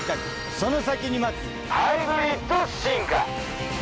その先に待つハイブリッド進化。